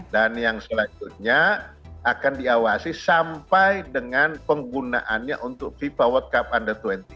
dan yang selanjutnya akan diawasi sampai dengan penggunaannya untuk fifa world cup under dua puluh